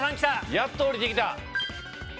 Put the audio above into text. やっと降りて来た。